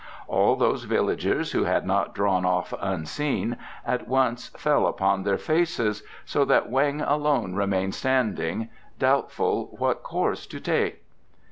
All those villagers who had not drawn off unseen at once fell upon their faces, so that Weng alone remained standing, doubtful what course to take.